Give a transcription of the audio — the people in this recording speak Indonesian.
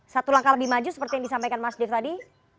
satu langkah lebih maju seperti yang disampaikan mas dev tadi